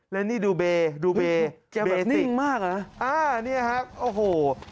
และนี่ดูเบดูเบแบบนิ่งมากอะอ่านี่ครับโอ้โห